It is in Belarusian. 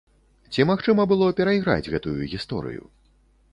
Ці магчыма было перайграць гэтую гісторыю?